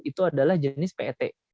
itu adalah jenis pet